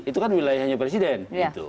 itu kan wilayahnya presiden